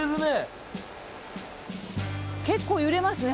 結構揺れますね。